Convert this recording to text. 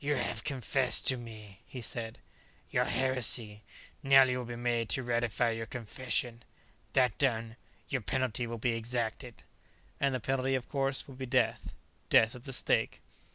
"You have confessed to me," he said, "your heresy. Now, you will be made to ratify your confession. That done, your penalty will be exacted." And the penalty, of course, would be death death at the stake.